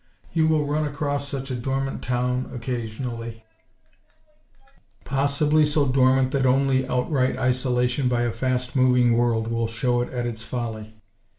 You will run across such a dormant town, occasionally; possibly so dormant that only outright isolation by a fast moving world, will show it its folly.